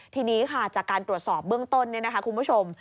ทีนี้ค่ะจากการตรวจสอบเบื้องต้นคุณผู้ชม